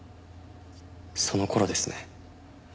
その頃ですね。